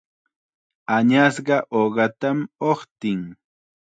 Añasqa uqatam uqtin.